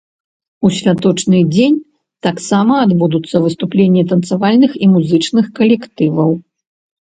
У святочны дзень таксама адбудуцца выступленні танцавальных і музычных калектываў.